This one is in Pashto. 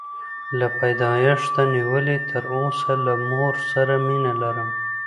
له پیدایښته نیولې تر اوسه له مور سره مینه لرم.